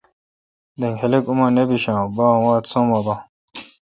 دینگ خلق اماں نہ بیش باں وات سم وا باں